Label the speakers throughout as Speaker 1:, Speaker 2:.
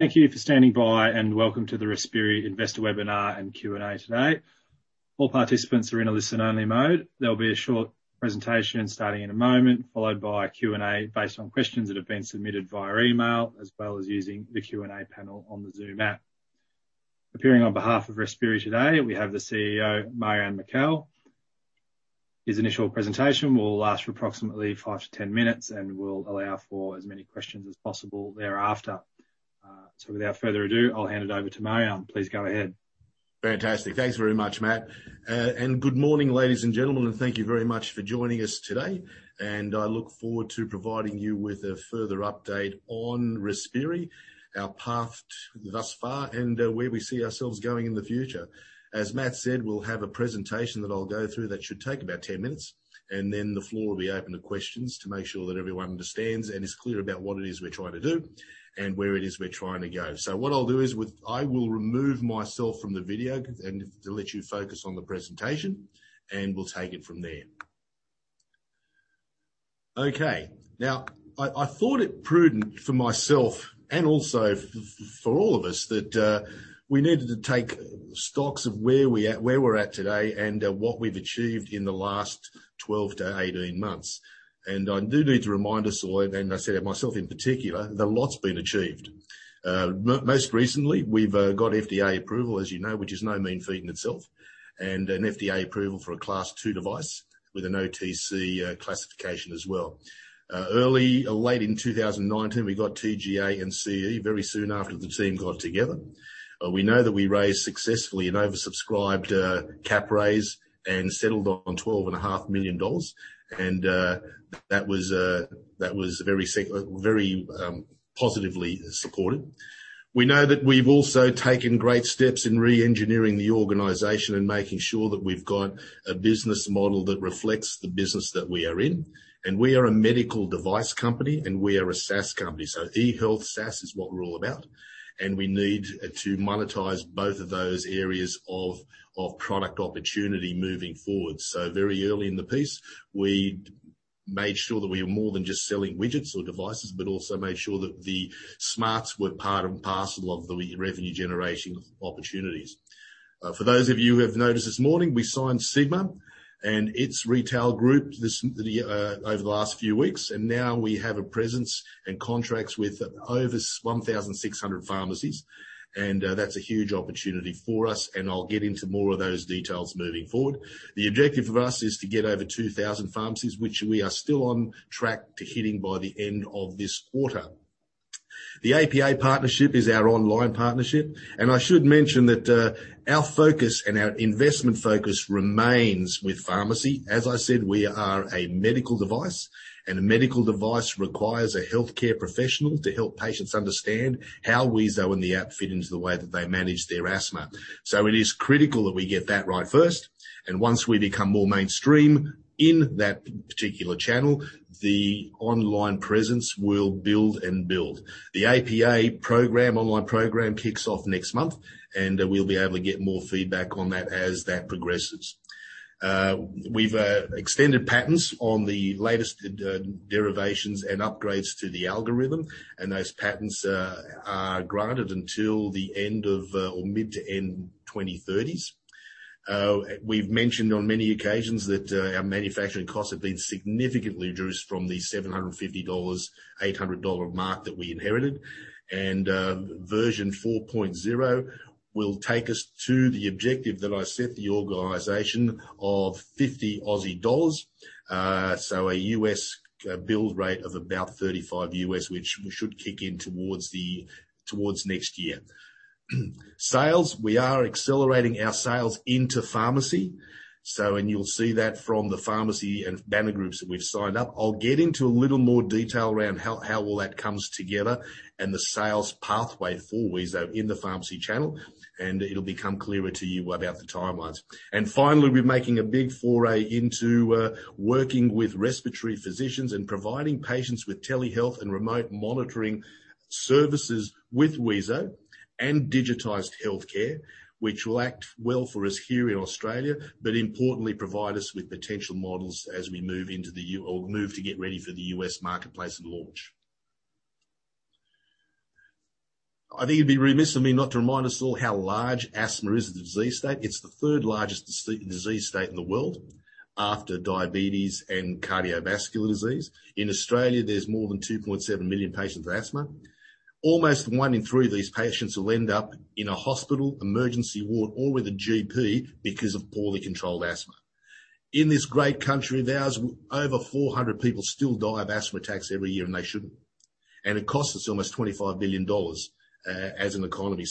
Speaker 1: Thank you for standing by, and welcome to the Respiri Investor Webinar and Q&A today. All participants are in a listen-only mode. There'll be a short presentation starting in a moment, followed by a Q&A based on questions that have been submitted via email, as well as using the Q&A panel on the Zoom app. Appearing on behalf of Respiri today, we have the CEO, Marjan Mikel. His initial presentation will last for approximately 5-10 minutes, and we'll allow for as many questions as possible thereafter. Without further ado, I'll hand it over to Marjan. Please go ahead.
Speaker 2: Fantastic. Thanks very much, Matt. Good morning, ladies and gentlemen, and thank you very much for joining us today. I look forward to providing you with a further update on Respiri, our path thus far, and where we see ourselves going in the future. As Matt said, we'll have a presentation that I'll go through that should take about 10 minutes, then the floor will be open to questions to make sure that everyone understands and is clear about what it is we're trying to do and where it is we're trying to go. What I'll do is, I will remove myself from the video and let you focus on the presentation, and we'll take it from there. Okay. Now, I thought it prudent for myself and also for all of us that we needed to take stock of where we're at today and what we've achieved in the last 12-18 months. I do need to remind us all, and myself in particular, that a lot's been achieved. Most recently, we've got FDA approval, as you know, which is no mean feat in itself, and an FDA approval for a Class II device with an OTC classification as well. Late in 2019, we got TGA and CE very soon after the team got together. We know that we raised successfully an oversubscribed cap raise and settled on 12.5 million dollars. That was very positively supported. We know that we've also taken great steps in re-engineering the organization and making sure that we've got a business model that reflects the business that we are in. We are a medical device company, and we are a SaaS company. E-health SaaS is what we're all about, and we need to monetize both of those areas of product opportunity moving forward. Very early in the piece, we made sure that we were more than just selling widgets or devices, but also made sure that the smarts were part and parcel of the revenue generation opportunities. For those of you who have noticed this morning, we signed Sigma and its retail group over the last few weeks, and now we have a presence and contracts with over 1,600 pharmacies, and that's a huge opportunity for us, and I'll get into more of those details moving forward. The objective for us is to get over 2,000 pharmacies, which we are still on track to hitting by the end of this quarter. The APA partnership is our online partnership. I should mention that our focus and our investment focus remains with pharmacy. As I said, we are a medical device. A medical device requires a healthcare professional to help patients understand how wheezo and the app fit into the way that they manage their asthma. It is critical that we get that right first. Once we become more mainstream in that particular channel, the online presence will build and build. The APA online program kicks off next month. We'll be able to get more feedback on that as that progresses. We've extended patents on the latest derivations and upgrades to the algorithm. Those patents are granted until the mid to end 2030s. We've mentioned on many occasions that our manufacturing costs have been significantly reduced from the 750 dollars, 800 dollar mark that we inherited, and version 4.0 will take us to the objective that I set the organization of 50 Aussie dollars, so a U.S. build rate of about $35, which should kick in towards next year. Sales, we are accelerating our sales into pharmacy, and you'll see that from the pharmacy and banner groups that we've signed up. I'll get into a little more detail around how all that comes together and the sales pathway for wheezo in the pharmacy channel. It'll become clearer to you about the timelines. Finally, we're making a big foray into working with respiratory physicians and providing patients with telehealth and remote monitoring services with wheezo and digitized healthcare, which will act well for us here in Australia, but importantly provide us with potential models as we move to get ready for the U.S. marketplace and launch. I think it'd be remiss of me not to remind us all how large asthma is as a disease state. It's the third largest disease state in the world after diabetes and cardiovascular disease. In Australia, there's more than 2.7 million patients with asthma. Almost one in three of these patients will end up in a hospital, emergency ward, or with a GP because of poorly controlled asthma. In this great country of ours, over 400 people still die of asthma attacks every year, and they shouldn't. It costs us almost 25 billion dollars as an economy.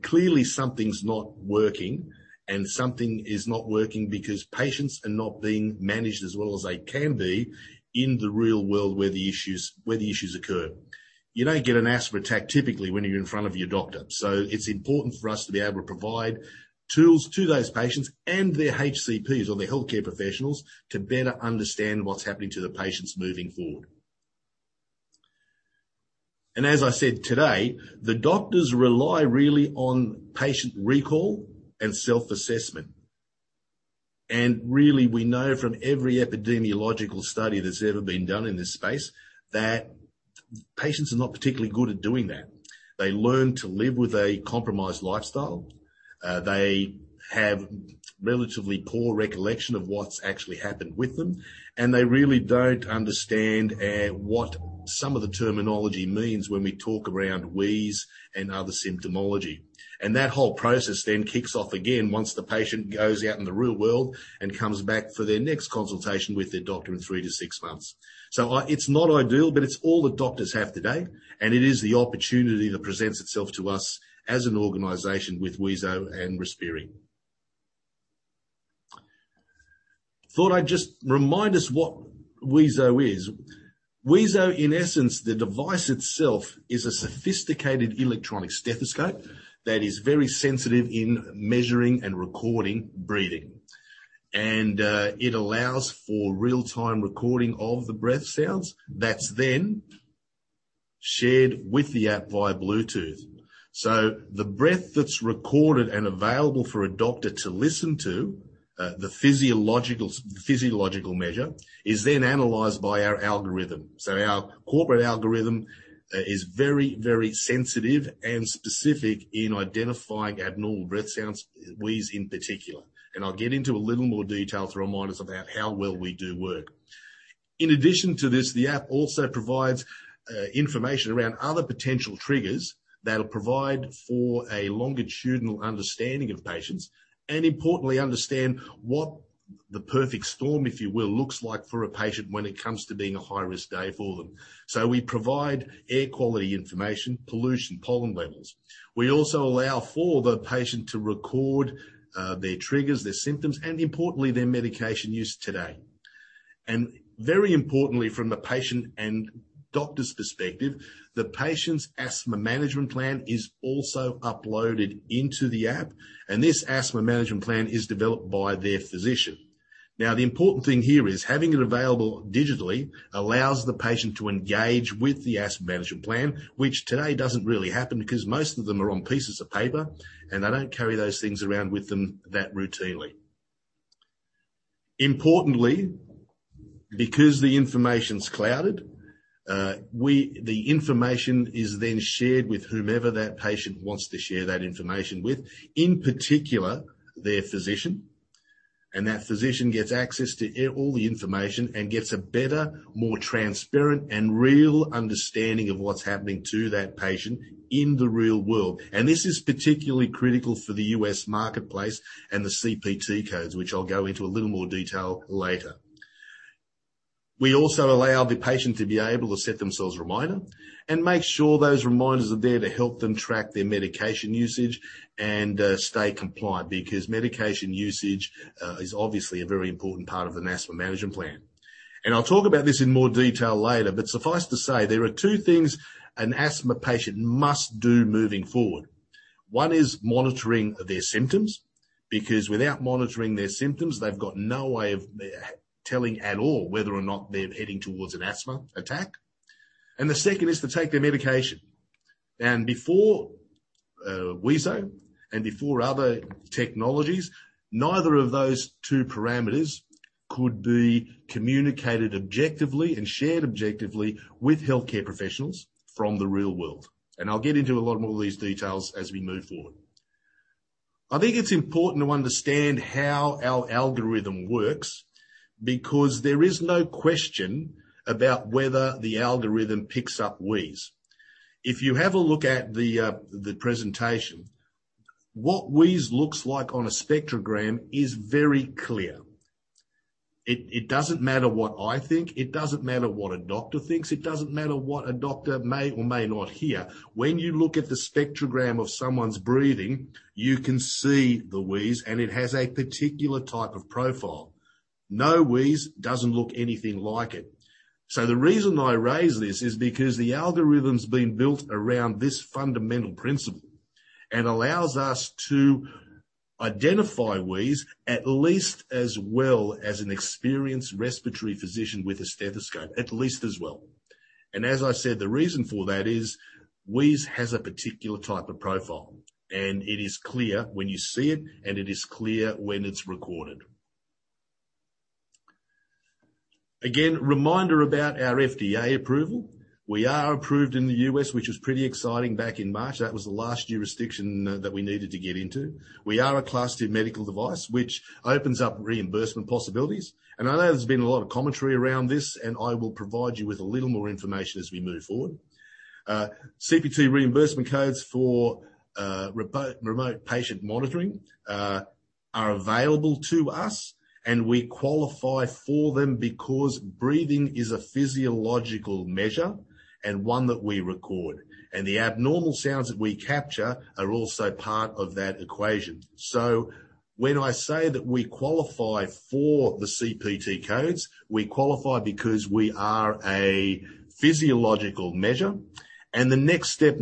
Speaker 2: Clearly, something's not working, and something is not working because patients are not being managed as well as they can be in the real world where the issues occur. You don't get an asthma attack typically when you're in front of your doctor. It's important for us to be able to provide tools to those patients and their HCPs or their healthcare professionals to better understand what's happening to the patients moving forward. As I said today, the doctors rely really on patient recall and self-assessment. Really, we know from every epidemiological study that's ever been done in this space that patients are not particularly good at doing that. They learn to live with a compromised lifestyle. They have relatively poor recollection of what's actually happened with them, and they really don't understand what some of the terminology means when we talk around wheeze and other symptomology. That whole process then kicks off again once the patient goes out in the real world and comes back for their next consultation with their doctor in three to six months. It's not ideal, but it's all that doctors have today, and it is the opportunity that presents itself to us as an organization with wheezo and Respiri. Thought I'd just remind us what wheezo is. wheezo, in essence, the device itself is a sophisticated electronic stethoscope that is very sensitive in measuring and recording breathing. It allows for real-time recording of the breath sounds that's then shared with the app via Bluetooth. The breath that's recorded and available for a doctor to listen to, the physiological measure, is analyzed by our algorithm. Our corporate algorithm is very, very sensitive and specific in identifying abnormal breath sounds, wheeze in particular. I'll get into a little more detail to remind us about how well we do work. In addition to this, the app also provides information around other potential triggers that'll provide for a longitudinal understanding of patients, and importantly, understand what the perfect storm, if you will, looks like for a patient when it comes to being a high-risk day for them. We provide air quality information, pollution, pollen levels. We also allow for the patient to record their triggers, their symptoms, and importantly, their medication use today. Very importantly, from the patient and doctor's perspective, the patient's asthma management plan is also uploaded into the app. This asthma management plan is developed by their physician. The important thing here is having it available digitally allows the patient to engage with the asthma management plan, which today doesn't really happen because most of them are on pieces of paper, and they don't carry those things around with them that routinely. Importantly, because the information's clouded, the information is then shared with whomever that patient wants to share that information with, in particular their physician. That physician gets access to all the information and gets a better, more transparent, and real understanding of what's happening to that patient in the real world. This is particularly critical for the U.S. marketplace and the CPT codes, which I'll go into a little more detail later. We also allow the patient to be able to set themselves reminders and make sure those reminders are there to help them track their medication usage and stay compliant, because medication usage is obviously a very important part of an asthma management plan. I'll talk about this in more detail later, but suffice to say, there are two things an asthma patient must do moving forward. One is monitoring their symptoms, because without monitoring their symptoms, they've got no way of telling at all whether or not they're heading towards an asthma attack. The second is to take their medication. Before wheezo and before other technologies, neither of those two parameters could be communicated objectively and shared objectively with healthcare professionals from the real world. I'll get into a lot more of these details as we move forward. I think it's important to understand how our algorithm works because there is no question about whether the algorithm picks up wheeze. If you have a look at the presentation, what wheeze looks like on a spectrogram is very clear. It doesn't matter what I think. It doesn't matter what a doctor thinks. It doesn't matter what a doctor may or may not hear. When you look at the spectrogram of someone's breathing, you can see the wheeze, and it has a particular type of profile. No wheeze doesn't look anything like it. The reason I raise this is because the algorithm's been built around this fundamental principle and allows us to identify wheeze at least as well as an experienced respiratory physician with a stethoscope, at least as well. As I said, the reason for that is wheeze has a particular type of profile, and it is clear when you see it, and it is clear when it's recorded. Again, reminder about our FDA approval. We are approved in the U.S., which was pretty exciting back in March. That was the last jurisdiction that we needed to get into. We are a Class II medical device, which opens up reimbursement possibilities. I know there's been a lot of commentary around this, and I will provide you with a little more information as we move forward. CPT reimbursement codes for remote patient monitoring are available to us, and we qualify for them because breathing is a physiological measure and one that we record. The abnormal sounds that we capture are also part of that equation. When I say that we qualify for the CPT codes, we qualify because we are a physiological measure. The next step,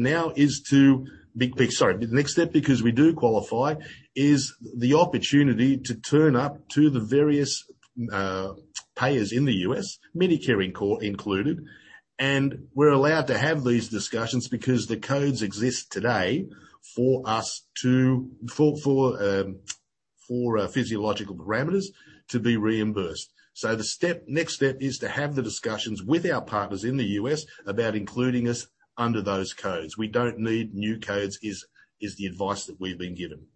Speaker 2: because we do qualify, is the opportunity to turn up to the various payers in the U.S., Medicare and co included, and we're allowed to have these discussions because the codes exist today for physiological parameters to be reimbursed. The next step is to have the discussions with our partners in the U.S. about including us under those codes. We don't need new codes is the advice that we've been given.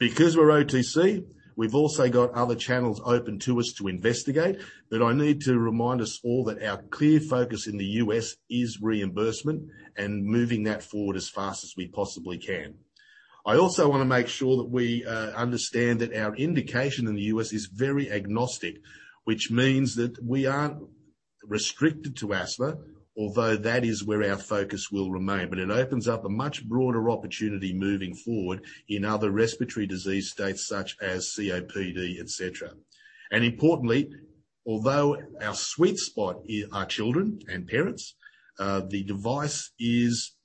Speaker 2: We're OTC, we've also got other channels open to us to investigate. I need to remind us all that our clear focus in the U.S. is reimbursement and moving that forward as fast as we possibly can. I also want to make sure that we understand that our indication in the U.S. is very agnostic, which means that we aren't restricted to asthma, although that is where our focus will remain. It opens up a much broader opportunity moving forward in other respiratory disease states such as COPD, et cetera. Importantly, although our sweet spot are children and parents, the device is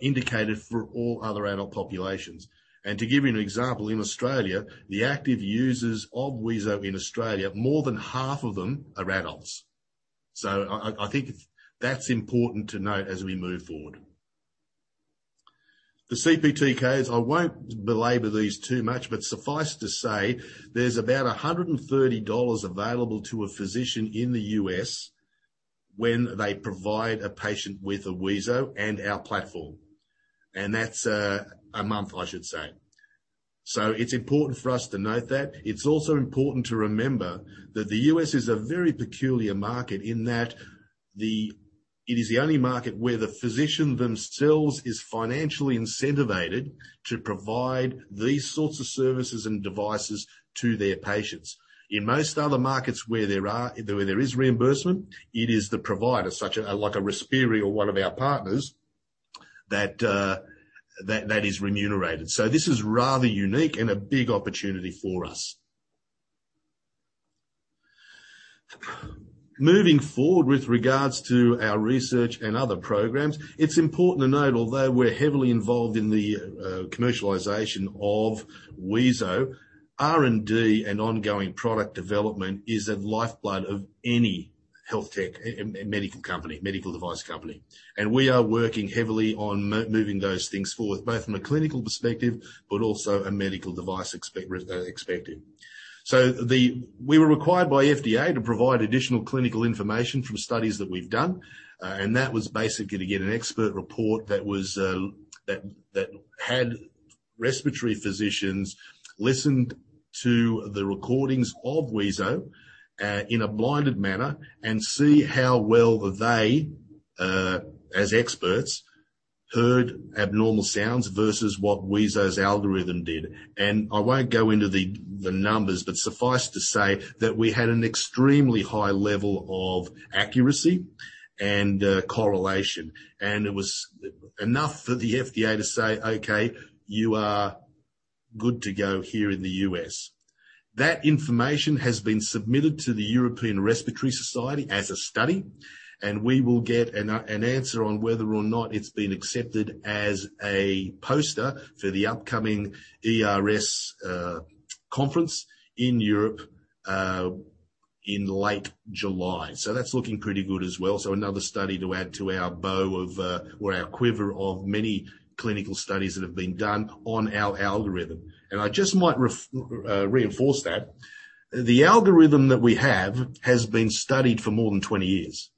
Speaker 2: indicated for all other adult populations. To give you an example, in Australia, the active users of wheezo in Australia, more than half of them are adults. I think that's important to note as we move forward. The CPT codes, I won't belabor these too much, but suffice to say, there's about $130 available to a physician in the U.S. when they provide a patient with a wheezo and our platform, and that's a month, I should say. It's important for us to note that. It's also important to remember that the U.S. is a very peculiar market in that it is the only market where the physician themselves is financially incentivized to provide these sorts of services and devices to their patients. In most other markets where there is reimbursement, it is the provider, like a Respiri or one of our partners, that is remunerated. This is rather unique and a big opportunity for us. Moving forward with regards to our research and other programs, it's important to note, although we're heavily involved in the commercialization of wheezo, R&D and ongoing product development is a lifeblood of any medical device company, and we are working heavily on moving those things forward, both from a clinical perspective but also a medical device perspective. We were required by FDA to provide additional clinical information from studies that we've done, and that was basically to get an expert report that had respiratory physicians listen to the recordings of wheezo in a blinded manner and see how well they, as experts, heard abnormal sounds versus what wheezo's algorithm did. I won't go into the numbers, but suffice to say that we had an extremely high level of accuracy and correlation, and it was enough for the FDA to say, "Okay, you are good to go here in the U.S." That information has been submitted to the European Respiratory Society as a study, and we will get an answer on whether or not it's been accepted as a poster for the upcoming ERS conference in Europe in late July. That's looking pretty good as well. Another study to add to our bow or our quiver of many clinical studies that have been done on our algorithm. I just might reinforce that. The algorithm that we have has been studied for more than 20 years.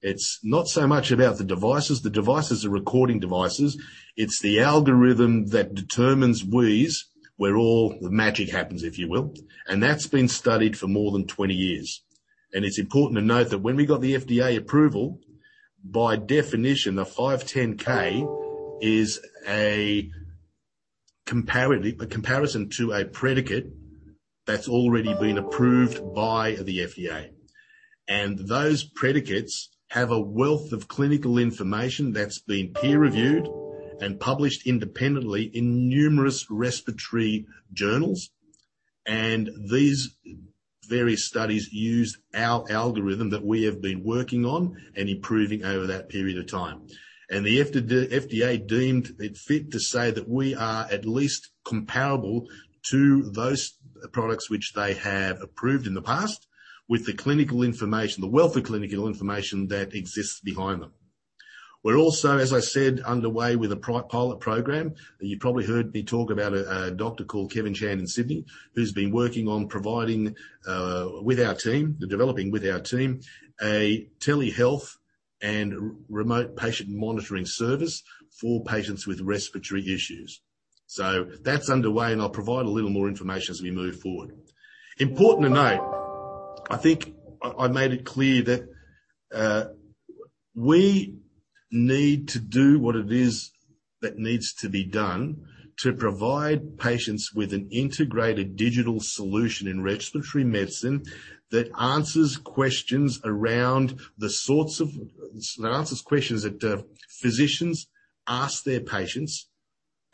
Speaker 2: It's not so much about the devices. The devices are recording devices. It's the algorithm that determines wheeze, where all the magic happens, if you will, and that's been studied for more than 20 years. It's important to note that when we got the FDA approval, by definition, a 510(k) is a comparison to a predicate that's already been approved by the FDA, and those predicates have a wealth of clinical information that's been peer-reviewed and published independently in numerous respiratory journals, and these various studies use our algorithm that we have been working on and improving over that period of time. The FDA deemed it fit to say that we are at least comparable to those products which they have approved in the past with the wealth of clinical information that exists behind them. We're also, as I said, underway with a pilot program, and you probably heard me talk about a doctor called Kevin Chan in Sydney, who's been working on providing with our team, developing with our team, a telehealth and remote patient monitoring service for patients with respiratory issues. That's underway, and I'll provide a little more information as we move forward. Important to note, I think I made it clear that we need to do what it is that needs to be done to provide patients with an integrated digital solution in respiratory medicine that answers questions that physicians ask their patients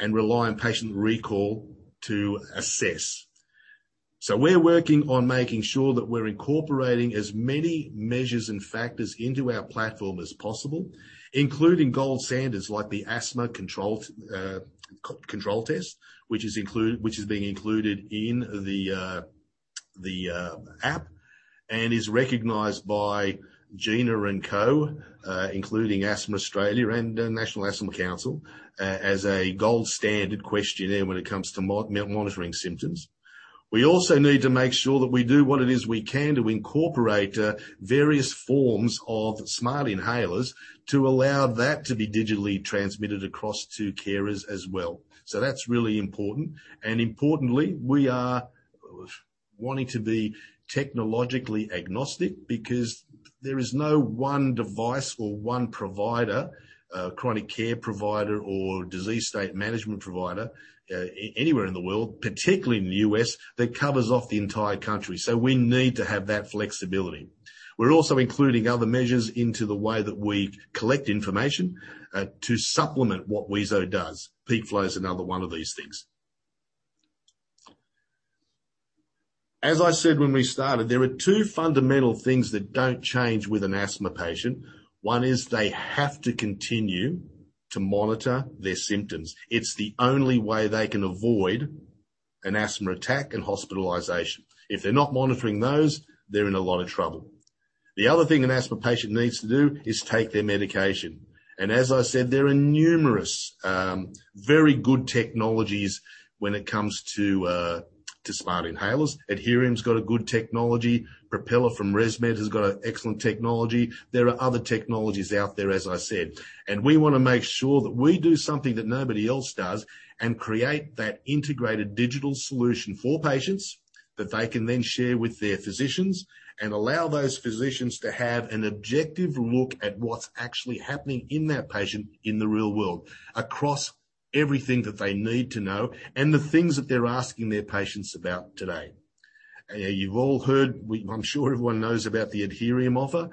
Speaker 2: and rely on patient recall to assess. We're working on making sure that we're incorporating as many measures and factors into our platform as possible, including gold standards like the Asthma Control Test, which has been included in the app, and is recognized by GINA and co., including Asthma Australia and the National Asthma Council, as a gold standard questionnaire when it comes to monitoring symptoms. We also need to make sure that we do what it is we can to incorporate various forms of smart inhalers to allow that to be digitally transmitted across to carers as well. That's really important. Importantly, we are wanting to be technologically agnostic because there is no one device or one provider, chronic care provider or disease state management provider, anywhere in the world, particularly in the U.S., that covers off the entire country. We need to have that flexibility. We're also including other measures into the way that we collect information to supplement what wheezo does. Peak flow is another one of these things. As I said when we started, there are two fundamental things that don't change with an asthma patient. One is they have to continue to monitor their symptoms. It's the only way they can avoid an asthma attack and hospitalization. If they're not monitoring those, they're in a lot of trouble. The other thing an asthma patient needs to do is take their medication. As I said, there are numerous very good technologies when it comes to smart inhalers. Adherium's got a good technology. Propeller from ResMed has got excellent technology. There are other technologies out there, as I said. We want to make sure that we do something that nobody else does and create that integrated digital solution for patients that they can then share with their physicians and allow those physicians to have an objective look at what's actually happening in that patient in the real world, across everything that they need to know and the things that they're asking their patients about today. You've all heard, I'm sure everyone knows about the Adherium offer.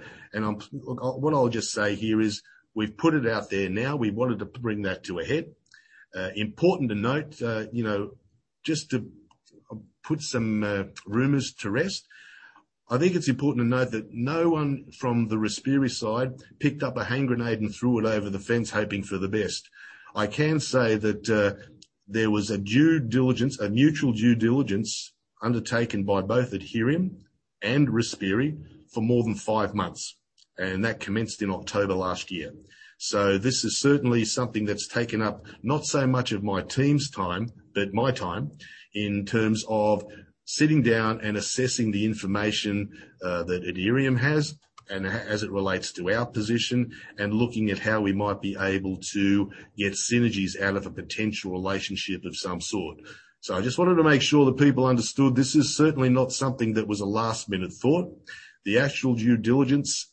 Speaker 2: What I'll just say here is we've put it out there now. We wanted to bring that to a head. Important to note, just to put some rumors to rest, I think it's important to note that no one from the Respiri side picked up a hand grenade and threw it over the fence hoping for the best. I can say that there was a due diligence, a mutual due diligence undertaken by both Adherium and Respiri for more than five months, and that commenced in October last year. This is certainly something that's taken up not so much of my team's time, but my time, in terms of sitting down and assessing the information that Adherium has as it relates to our position and looking at how we might be able to get synergies out of a potential relationship of some sort. I just wanted to make sure that people understood this is certainly not something that was a last-minute thought. The actual due diligence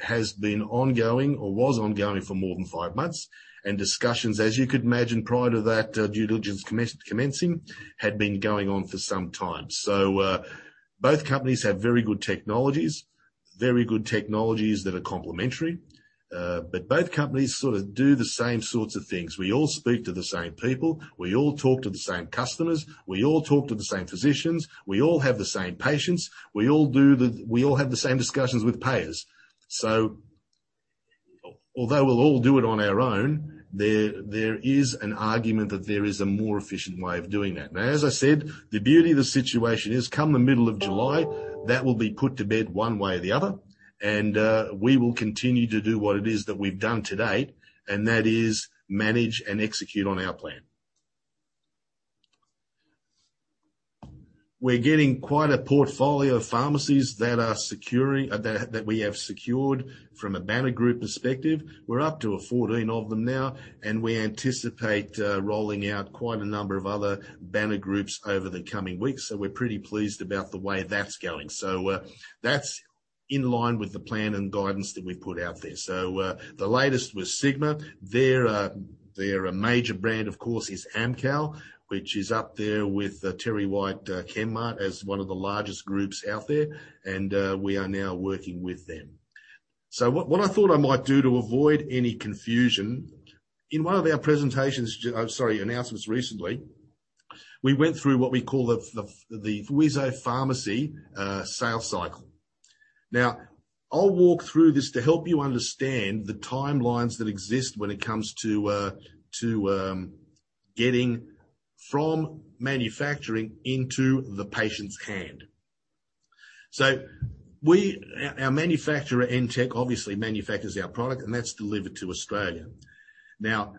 Speaker 2: has been ongoing or was ongoing for more than five months, and discussions, as you could imagine, prior to that due diligence commencing, had been going on for some time. Both companies have very good technologies that are complementary, but both companies sort of do the same sorts of things. We all speak to the same people. We all talk to the same customers. We all talk to the same physicians. We all have the same patients. We all have the same discussions with payers. Although we'll all do it on our own, there is an argument that there is a more efficient way of doing that. As I said, the beauty of the situation is come the middle of July, that will be put to bed one way or the other, and we will continue to do what it is that we've done today, and that is manage and execute on our plan. We're getting quite a portfolio of pharmacies that we have secured from a banner group perspective. We're up to 14 of them now, and we anticipate rolling out quite a number of other banner groups over the coming weeks. We're pretty pleased about the way that's going. That's in line with the plan and guidance that we put out there. The latest was Sigma. Their major brand, of course, is Amcal, which is up there with TerryWhite Chemmart as one of the largest groups out there, and we are now working with them. What I thought I might do to avoid any confusion, in one of our presentations, sorry, announcements recently, we went through what we call the wheezo pharmacy sales cycle. Now, I'll walk through this to help you understand the timelines that exist when it comes to getting from manufacturing into the patient's hand. Our manufacturer, Entech, obviously manufactures our product, and that's delivered to Australia. Now,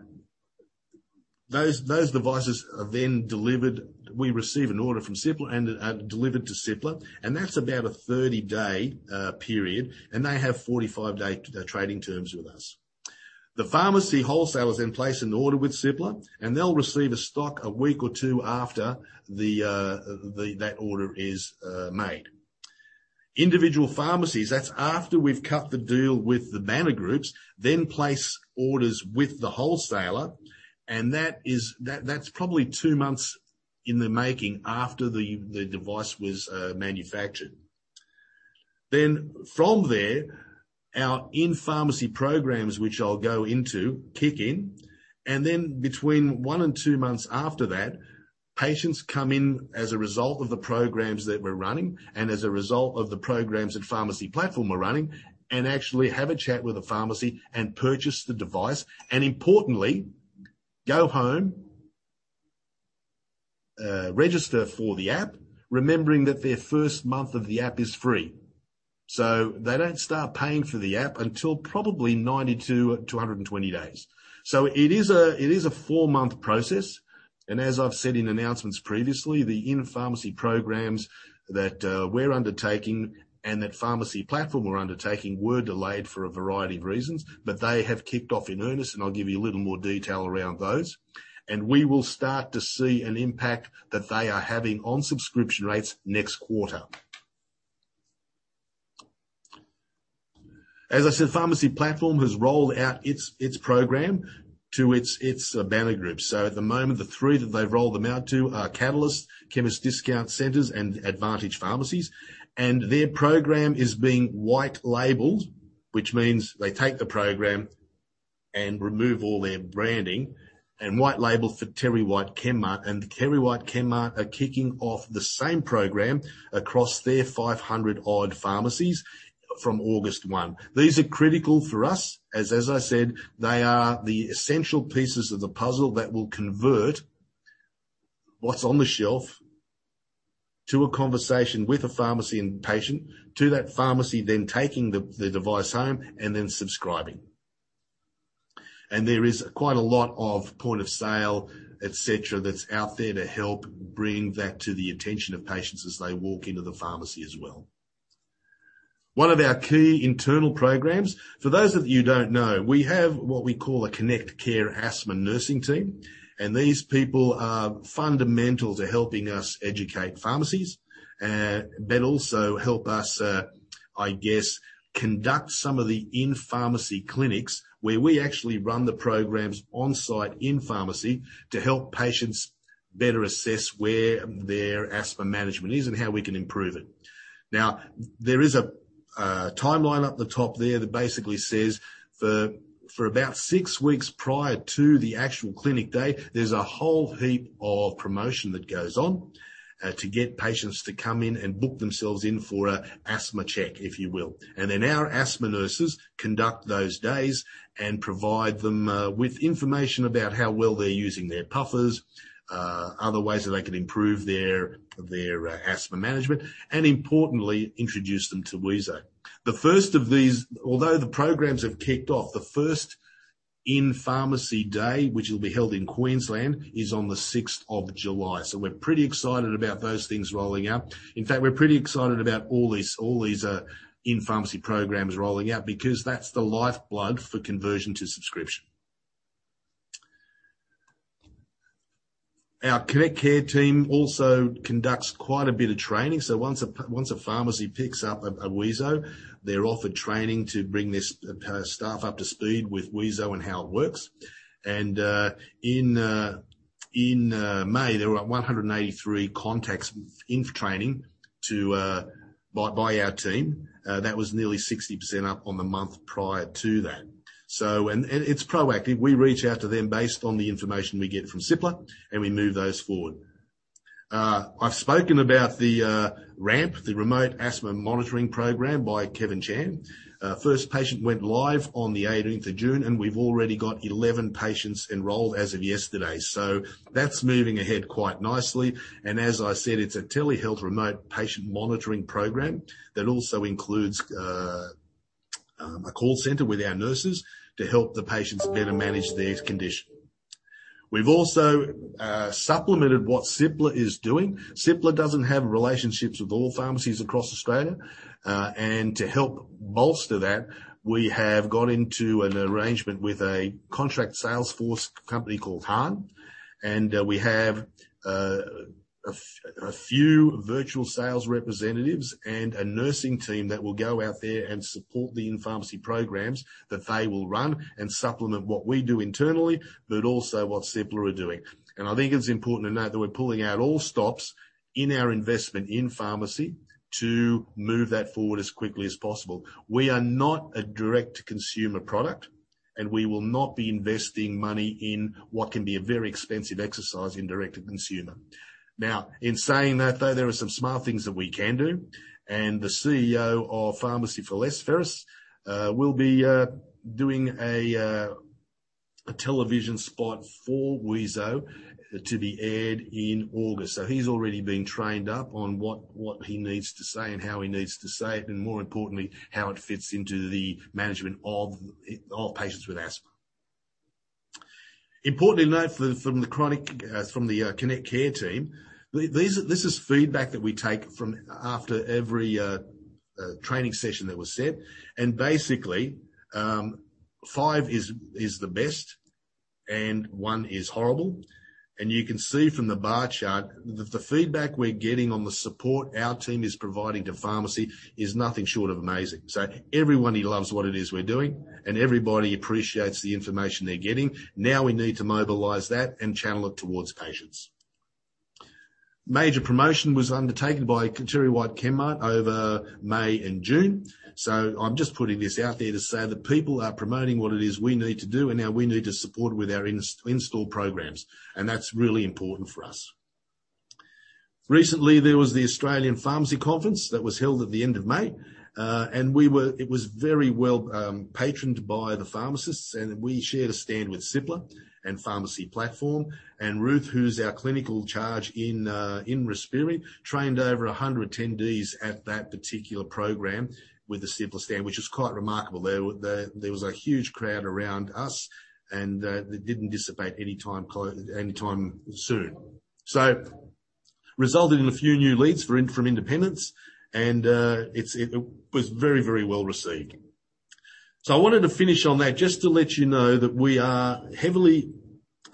Speaker 2: those devices are then delivered. We receive an order from Cipla and delivered to Cipla, and that's about a 30-day period, and they have 45-day trading terms with us. The pharmacy wholesalers then place an order with Cipla, and they'll receive a stock a week or two after that order is made. Individual pharmacies, that's after we've cut the deal with the banner groups, then place orders with the wholesaler, and that's probably two months in the making after the device was manufactured. From there, our in-pharmacy programs, which I'll go into, kick in, and between one and two months after that, patients come in as a result of the programs that we're running and as a result of the programs that Pharmacy Platform are running, and actually have a chat with the pharmacy and purchase the device, and importantly, go home, register for the app, remembering that their first month of the app is free. They don't start paying for the app until probably 90 to 120 days. It is a four-month process, and as I've said in announcements previously, the in-pharmacy programs that we're undertaking and that Pharmacy Platform are undertaking were delayed for a variety of reasons, but they have kicked off in earnest, and I'll give you a little more detail around those. We will start to see an impact that they are having on subscription rates next quarter. As I said, Pharmacy Platform has rolled out its program to its banner groups. At the moment, the three that they've rolled them out to are Catalyst, Chemist Discount Centres, and Advantage Pharmacy. Their program is being white labeled, which means they take the program and remove all their branding, and white label for TerryWhite Chemmart, and TerryWhite Chemmart are kicking off the same program across their 500 odd pharmacies from August 1. These are critical for us, as I said, they are the essential pieces of the puzzle that will convert what's on the shelf to a conversation with a pharmacy and patient, to that pharmacy then taking the device home and then subscribing. There is quite a lot of point of sale, et cetera, that's out there to help bring that to the attention of patients as they walk into the pharmacy as well. One of our key internal programs, for those of you who don't know, we have what we call a Connected Care asthma nursing team, and these people are fundamental to helping us educate pharmacies, but also help us, I guess, conduct some of the in-pharmacy clinics where we actually run the programs on-site in pharmacy to help patients better assess where their asthma management is and how we can improve it. There is a timeline up the top there that basically says for about six weeks prior to the actual clinic date, there's a whole heap of promotion that goes on to get patients to come in and book themselves in for an asthma check, if you will. Then our asthma nurses conduct those days and provide them with information about how well they're using their puffers, other ways that they can improve their asthma management, and importantly, introduce them to wheezo. Although the programs have kicked off, the first in-pharmacy day, which will be held in Queensland, is on the 6th of July. We're pretty excited about those things rolling out. In fact, we're pretty excited about all these in-pharmacy programs rolling out because that's the lifeblood for conversion to subscription. Our Connected Care team also conducts quite a bit of training. Once a pharmacy picks up a wheezo, they're offered training to bring their staff up to speed with wheezo and how it works. In May, there were 183 contacts in training by our team. That was nearly 60% up on the month prior to that. It's proactive. We reach out to them based on the information we get from Cipla. We move those forward. I've spoken about the RAMP, the Remote Asthma Monitoring Program by Kevin Chan. First patient went live on the 18th of June. We've already got 11 patients enrolled as of yesterday. That's moving ahead quite nicely. As I said, it's a telehealth remote patient monitoring program that also includes a call center with our nurses to help the patients better manage their condition. We've also supplemented what Cipla is doing. Cipla doesn't have relationships with all pharmacies across Australia. To help bolster that, we have gone into an arrangement with a contract sales force company called Hahn, and we have a few virtual sales representatives and a nursing team that will go out there and support the in-pharmacy programs that they will run and supplement what we do internally, but also what Cipla are doing. I think it's important to note that we're pulling out all stops in our investment in pharmacy to move that forward as quickly as possible. We are not a direct-to-consumer product, and we will not be investing money in what can be a very expensive exercise in direct-to-consumer. In saying that, though, there are some smart things that we can do, and the CEO of Pharmacy 4 Less, Feras, will be doing a television spot for wheezo to be aired in August. He's already been trained up on what he needs to say and how he needs to say it, and more importantly, how it fits into the management of patients with asthma. Important to note from the Connected Care team, this is feedback that we take after every training session that was said, and basically, five is the best and one is horrible. You can see from the bar chart that the feedback we're getting on the support our team is providing to pharmacy is nothing short of amazing. Everybody loves what it is we're doing and everybody appreciates the information they're getting. Now we need to mobilize that and channel it towards patients. Major promotion was undertaken by TerryWhite Chemmart over May and June. I'm just putting this out there to say that people are promoting what it is we need to do and how we need to support it with our in-store programs, and that's really important for us. Recently, there was the Australian Pharmacy Conference that was held at the end of May. It was very well patroned by the pharmacists. We shared a stand with Cipla and Pharmacy Platform. Ruth, who's our clinical charge in Respiri, trained over 100 attendees at that particular program with the Cipla stand, which is quite remarkable. There was a huge crowd around us. They didn't dissipate anytime soon. It resulted in a few new leads for independents. It was very well received. I wanted to finish on that just to let you know that we are heavily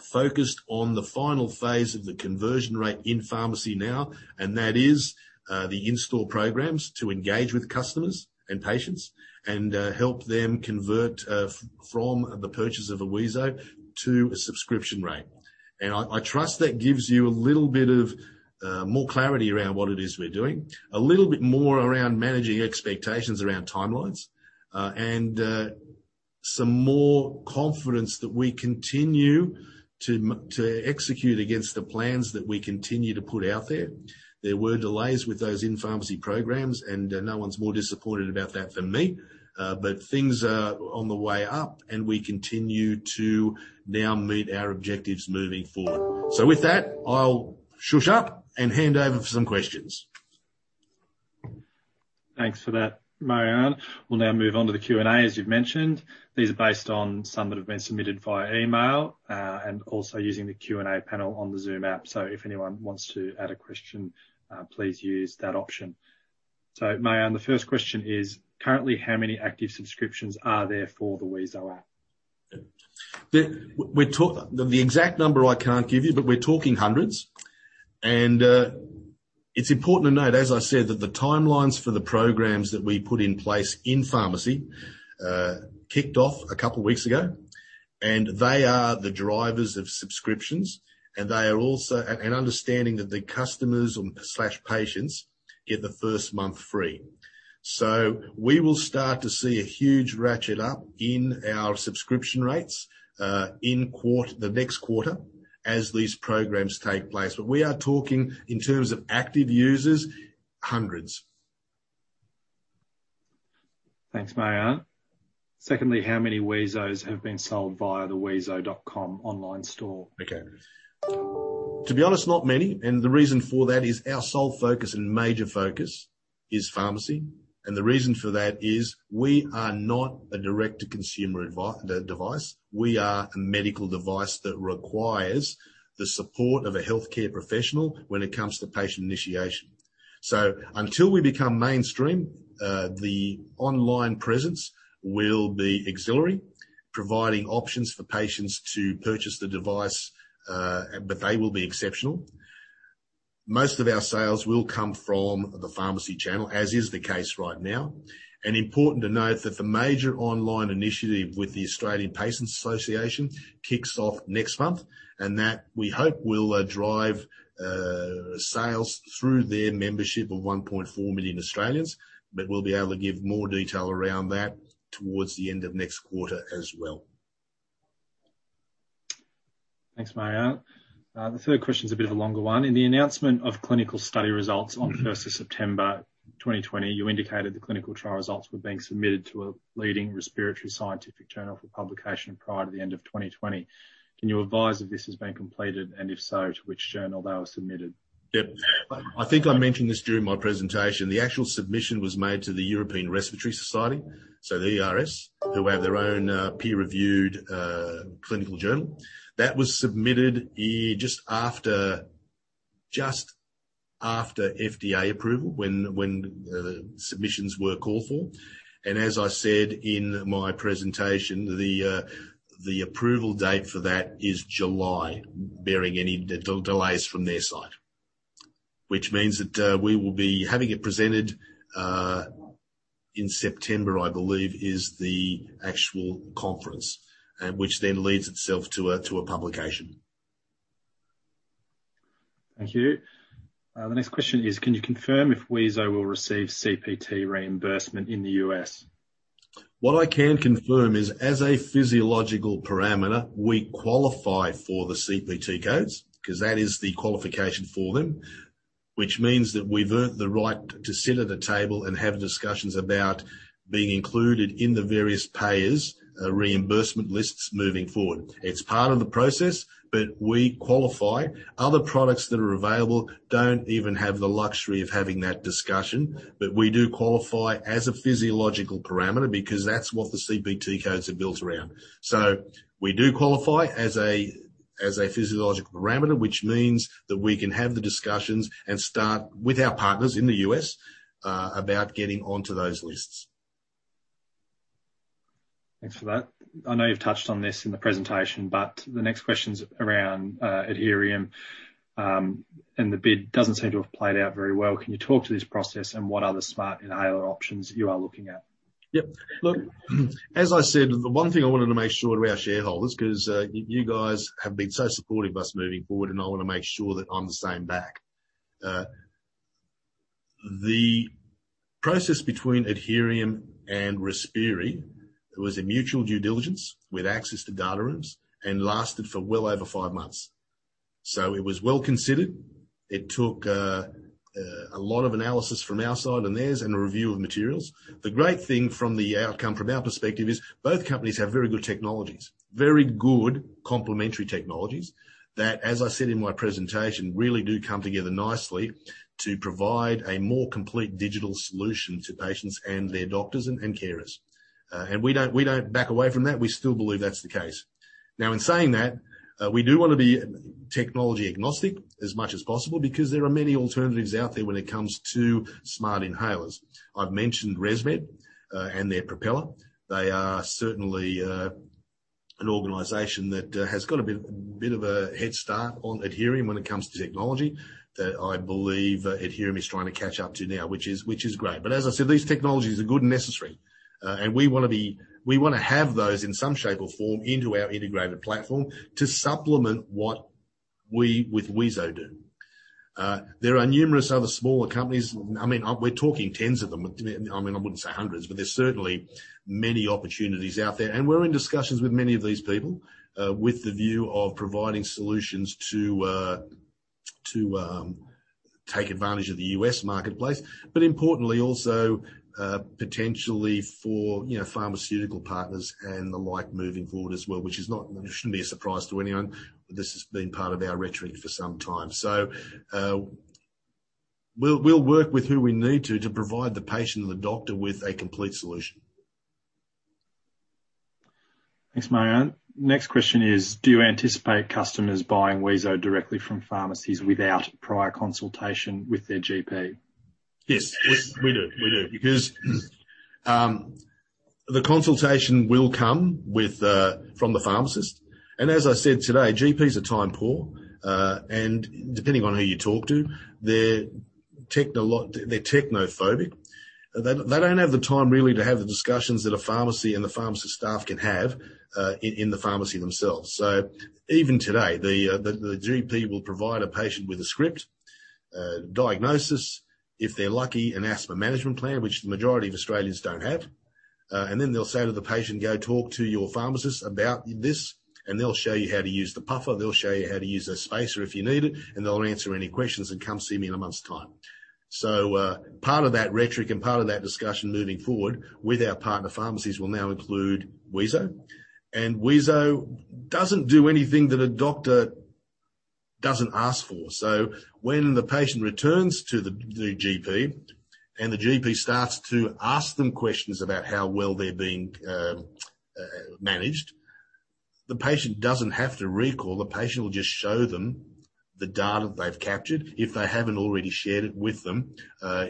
Speaker 2: focused on the final phase of the conversion rate in pharmacy now, and that is the in-store programs to engage with customers and patients and help them convert from the purchase of a wheezo to a subscription rate. I trust that gives you a little bit of more clarity around what it is we're doing, a little bit more around managing expectations around timelines, and some more confidence that we continue to execute against the plans that we continue to put out there. There were delays with those in-pharmacy programs, and no one's more disappointed about that than me. Things are on the way up, and we continue to now meet our objectives moving forward. With that, I'll shush up and hand over some questions.
Speaker 1: Thanks for that, Marjan. We'll now move on to Q&A, as you've mentioned. These are based on some that have been submitted via email, and also using the Q&A panel on the Zoom app. If anyone wants to add a question, please use that option. Marjan, the first question is, currently how many active subscriptions are there for the wheezo app?
Speaker 2: The exact number I can't give you, but we're talking hundreds. It's important to note, as I said, that the timelines for the programs that we put in place in pharmacy kicked off a couple of weeks ago, and they are the drivers of subscriptions, and they are also an understanding that the customers/patients get the first month free. We will start to see a huge ratchet up in our subscription rates in the next quarter as these programs take place. We are talking in terms of active users, hundreds.
Speaker 1: Thanks, Marjan. Secondly, how many wheezos have been sold via the wheezo.com online store?
Speaker 2: Okay. To be honest, not many. The reason for that is our sole focus and major focus is pharmacy. The reason for that is we are not a direct-to-consumer device. We are a medical device that requires the support of a healthcare professional when it comes to patient initiation. Until we become mainstream, the online presence will be auxiliary, providing options for patients to purchase the device, but they will be exceptional. Most of our sales will come from the pharmacy channel, as is the case right now. Important to note that the major online initiative with the Australian Patients Association kicks off next month, and that we hope will drive sales through their membership of 1.4 million Australians, but we'll be able to give more detail around that towards the end of next quarter as well.
Speaker 1: Thanks, Marjan. The third question is a bit of a longer one. In the announcement of clinical study results on 1st of September 2020, you indicated the clinical trial results were being submitted to a leading respiratory scientific journal for publication prior to the end of 2020. Can you advise if this has been completed, and if so, to which journal they were submitted?
Speaker 2: Yep. I think I mentioned this during my presentation. The actual submission was made to the European Respiratory Society, so the ERS, who have their own peer-reviewed clinical journal. That was submitted just after FDA approval when submissions were called for. As I said in my presentation, the approval date for that is July, barring any delays from their side, which means that we will be having it presented in September, I believe is the actual conference, which then lends itself to a publication.
Speaker 1: Thank you. Next question is, can you confirm if wheezo will receive CPT reimbursement in the U.S.?
Speaker 2: What I can confirm is, as a physiological parameter, we qualify for the CPT codes because that is the qualification for them, which means that we've earned the right to sit at the table and have discussions about being included in the various payers' reimbursement lists moving forward. It's part of the process, but we qualify. Other products that are available don't even have the luxury of having that discussion, but we do qualify as a physiological parameter because that's what the CPT codes are built around. We do qualify as a physiological parameter, which means that we can have the discussions and start with our partners in the U.S. about getting onto those lists.
Speaker 1: Thanks for that. I know you touched on this in the presentation, but the next question's around Adherium, and the bid doesn't seem to have played out very well. Can you talk to this process and what other smart inhaler options you are looking at?
Speaker 2: Yep. Look, as I said, the one thing I wanted to make sure of our shareholders, because you guys have been so supportive of us moving forward, and I want to make sure that I'm the same back. The process between Adherium and Respiri was a mutual due diligence with access to data rooms and lasted for well over five months. It was well considered. It took a lot of analysis from our side and theirs and a review of materials. The great thing from the outcome, from our perspective is both companies have very good technologies, very good complementary technologies that, as I said in my presentation, really do come together nicely to provide a more complete digital solution to patients and their doctors and carers. We don't back away from that. We still believe that's the case. In saying that, we do want to be technology agnostic as much as possible because there are many alternatives out there when it comes to smart inhalers. I've mentioned ResMed and their Propeller. They are certainly an organization that has got a bit of a head start on Adherium when it comes to technology that I believe Adherium is trying to catch up to now, which is great. As I said, these technologies are good and necessary, and we want to have those in some shape or form into our integrated platform to supplement what we with wheezo do. There are numerous other smaller companies. We're talking tens of them. I wouldn't say hundreds, but there's certainly many opportunities out there. We're in discussions with many of these people with the view of providing solutions to take advantage of the U.S. marketplace, importantly also potentially for pharmaceutical partners and the like moving forward as well, which shouldn't be a surprise to anyone. This has been part of our rhetoric for some time. We'll work with who we need to provide the patient and the doctor with a complete solution.
Speaker 1: Thanks, Marjan. Next question is, do you anticipate customers buying wheezo directly from pharmacies without prior consultation with their GP?
Speaker 2: Yes. We do. The consultation will come from the pharmacist. As I said today, GPs are time poor, and depending on who you talk to, they're technophobic, they don't have the time really to have the discussions that a pharmacy and the pharmacy staff can have in the pharmacy themselves. Even today, the GP will provide a patient with a script, diagnosis. If they're lucky, an asthma management plan, which the majority of Australians don't have. Then they'll say to the patient, "Go talk to your pharmacist about this, they'll show you how to use the puffer. They'll show you how to use a spacer if you need it, they'll answer any questions, and come see me in a month's time." Part of that rhetoric and part of that discussion moving forward with our partner pharmacies will now include wheezo. wheezo doesn't do anything that a doctor doesn't ask for. When the patient returns to the GP and the GP starts to ask them questions about how well they're being managed, the patient doesn't have to recall. The patient will just show them the data they've captured if they haven't already shared it with them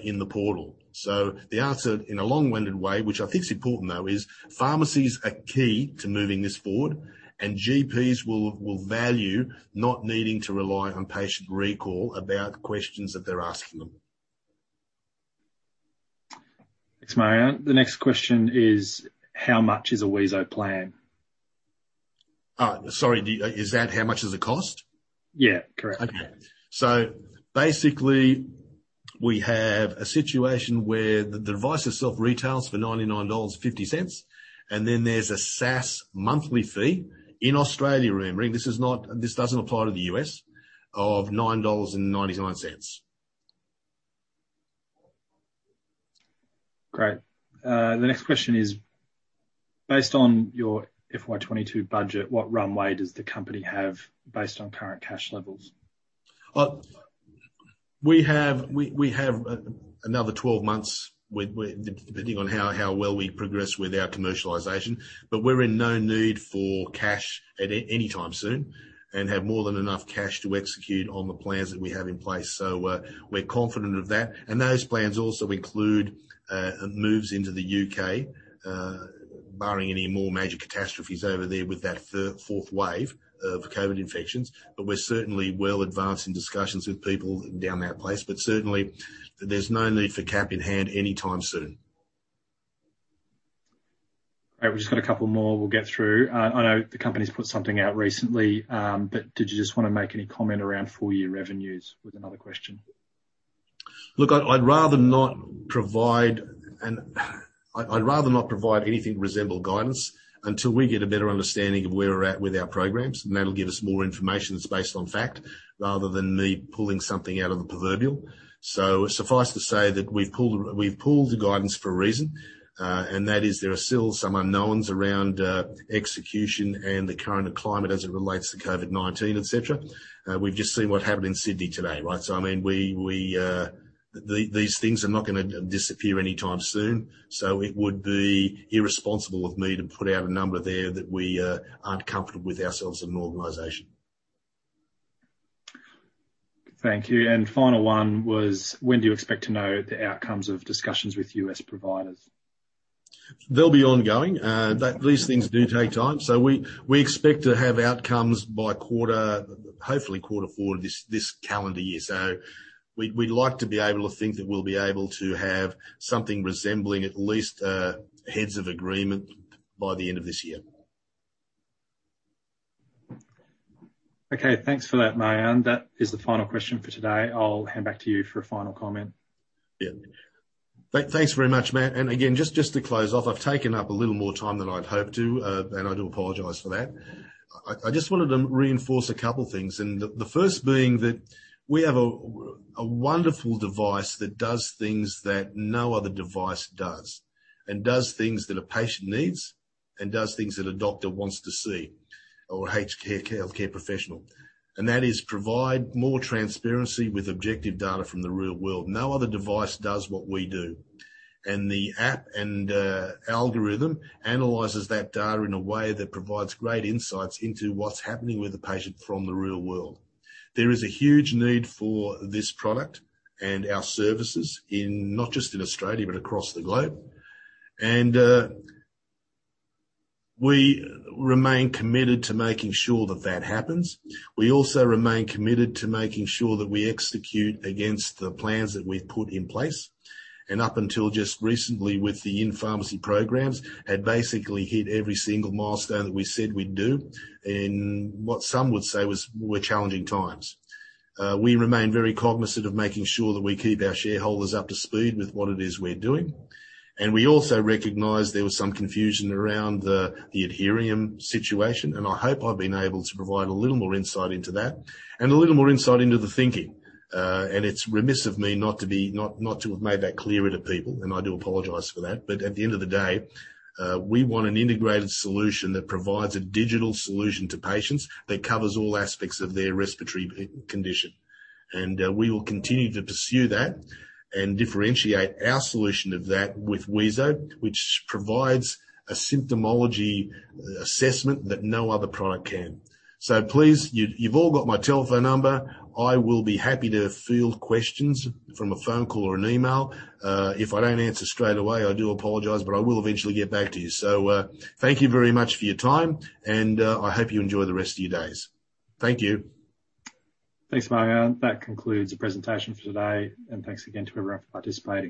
Speaker 2: in the portal. The answer, in a long-winded way, which I think is important though, is pharmacies are key to moving this forward, and GPs will value not needing to rely on patient recall about questions that they're asking them.
Speaker 1: Thanks, Marjan Mikel. The next question is, how much is a wheezo plan?
Speaker 2: Sorry, is that how much does it cost?
Speaker 1: Yeah, correct.
Speaker 2: Okay. Basically, we have a situation where the device itself retails for 99.50 dollars, and then there's a SaaS monthly fee in Australia only, this doesn't apply to the U.S., of 9.99 dollars.
Speaker 1: Great. The next question is, based on your FY 2022 budget, what runway does the company have based on current cash levels?
Speaker 2: Look, we have another 12 months depending on how well we progress with our commercialization. We're in no need for cash at any time soon and have more than enough cash to execute on the plans that we have in place. We're confident of that, and those plans also include moves into the U.K., barring any more major catastrophes over there with that fourth wave of COVID infections. We're certainly well advanced in discussions with people down that place. Certainly, there's no need for cap in hand anytime soon.
Speaker 1: All right. We've just got a couple more we'll get through. I know the company's put something out recently, but did you just want to make any comment around full-year revenues with another question?
Speaker 2: Look, I'd rather not provide anything to resemble guidance until we get a better understanding of where we're at with our programs, and that'll give us more information that's based on fact rather than me pulling something out of the proverbial. Suffice to say that we've pulled the guidance for a reason, and that is there are still some unknowns around execution and the current climate as it relates to COVID-19, et cetera. We just see what happened in Sydney today, right? These things are not going to disappear anytime soon. It would be irresponsible of me to put out a number there that we aren't comfortable with ourselves as an organization.
Speaker 1: Thank you. Final one was, when do you expect to know the outcomes of discussions with U.S. providers?
Speaker 2: They'll be ongoing. These things do take time. We expect to have outcomes by hopefully quarter four of this calendar year. We'd like to be able to think that we'll be able to have something resembling at least heads of agreement by the end of this year.
Speaker 1: Okay, thanks for that, Marjan. That is the final question for today. I'll come back to you for a final comment.
Speaker 2: Yeah. Thanks very much, Matt. Again, just to close off, I've taken up a little more time than I'd hoped to, and I do apologize for that. I just wanted to reinforce a couple things, and the first being that we have a wonderful device that does things that no other device does, and does things that a patient needs, and does things that a doctor wants to see, or a healthcare professional. That is provide more transparency with objective data from the real world. No other device does what we do. The app and algorithm analyzes that data in a way that provides great insights into what's happening with the patient from the real world. There is a huge need for this product and our services, not just in Australia but across the globe. We remain committed to making sure that that happens. We also remain committed to making sure that we execute against the plans that we've put in place. Up until just recently with the in-pharmacy programs, have basically hit every single milestone that we said we'd do in what some would say were challenging times. We remain very cognizant of making sure that we keep our shareholders up to speed with what it is we're doing. We also recognize there was some confusion around the Adherium situation, and I hope I've been able to provide a little more insight into that and a little more insight into the thinking. It's remiss of me not to have made that clearer to people, and I do apologize for that. At the end of the day, we want an integrated solution that provides a digital solution to patients that covers all aspects of their respiratory condition. We will continue to pursue that and differentiate our solution of that with wheezo, which provides a symptomology assessment that no other product can. Please, you've all got my telephone number. I will be happy to field questions from a phone call or an email. If I don't answer straight away, I do apologize, but I will eventually get back to you. Thank you very much for your time, and I hope you enjoy the rest of your days. Thank you.
Speaker 1: Thanks, Marjan. That concludes the presentation for today, and thanks again to everyone for participating.